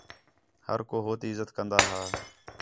ہر کو ہو تی عِزّت کندا ھا